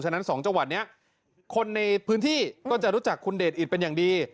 ฉะนั้น๒จังหวัดนี้คนในพื้นที่ก็จะรู้จักคุณเดชอิตเป็นอย่างดี